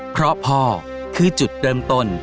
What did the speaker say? เพราะพ่อคือจุดเริ่มต้น